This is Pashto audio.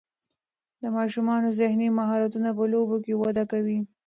د ماشومانو ذهني مهارتونه په لوبو کې وده کوي.